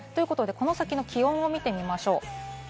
この先の気温を見てみましょう。